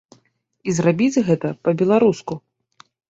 І зрабіць гэта па-беларуску.